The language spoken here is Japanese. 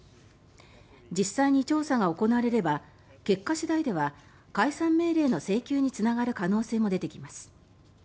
実際に調査が行われれば結果次第では解散命令の請求につながる可能性も出てきます。